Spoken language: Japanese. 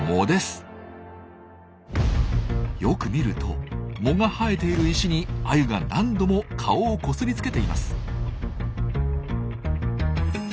よく見ると藻が生えている石にアユが何度も顔をこすりつけています。